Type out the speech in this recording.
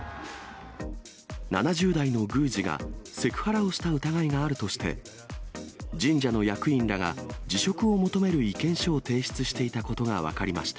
７０代の宮司がセクハラをした疑いがあるとして、神社の役員らが辞職を求める意見書を提出していたことが分かりました。